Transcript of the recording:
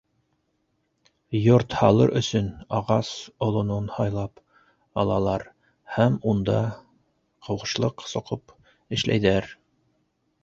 Йорт һалыр өсөн ағас олонон һайлап алалар һәм унда ҡыуышлыҡ соҡоп эшләйҙәр.